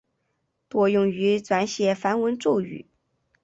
多用于转写梵文咒语。